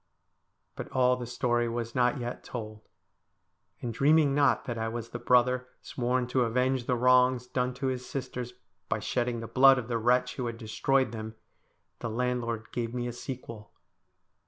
' But all the story was not yet told ; and dreaming not that I was the brother sworn to avenge the wrongs done to his sisters, by shedding the blood of the wretch who had destroyed them, the landlord gave me a sequel.